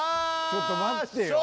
ちょっと待ってよ。